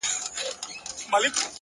ریښتینی رهبر الهام ورکوي,